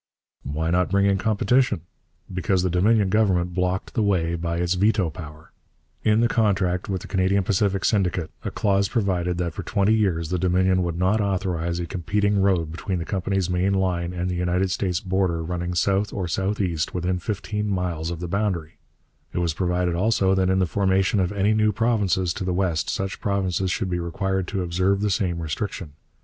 ' Why not bring in competition? Because the Dominion Government blocked the way by its veto power. In the contract with the Canadian Pacific Syndicate a clause provided that for twenty years the Dominion would not authorize a competing road between the company's main line and the United States border running south or southeast or within fifteen miles of the boundary; it was provided also that in the formation of any new provinces to the west such provinces should be required to observe the same restriction.